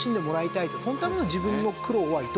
そのための自分の苦労はいとわないと。